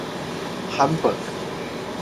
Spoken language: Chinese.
英迪戈是加拿大一家图书零售连锁店。